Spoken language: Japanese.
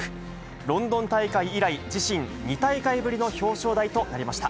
ロンドン大会以来、自身２大会ぶりの表彰台となりました。